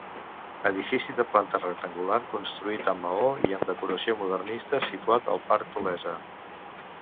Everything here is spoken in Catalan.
Edifici de planta rectangular, construït amb maó, i amb decoració modernista, situat al Parc d'Olesa.